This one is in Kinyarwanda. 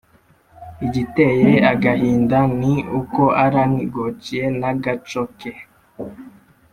igiteye agahinda ni uko alain gauthier n'agaco ke